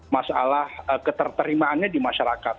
masalah keterimaannya di masyarakat